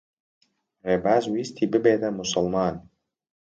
ڕێباز ویستی ببێتە موسڵمان.